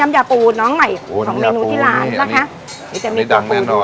น้ำยาปูน้องใหม่แมนน้ำคลุม